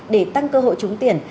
để tăng cơ hội trúng tiền